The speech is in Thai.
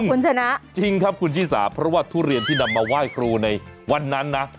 คุณชนะจริงครับคุณชิสาเพราะว่าทุเรียนที่นำมาไหว้ครูในวันนั้นนะ